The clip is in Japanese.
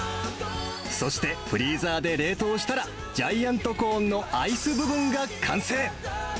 そして、フリーザーで冷凍したら、ジャイアントコーンのアイス部分が完成。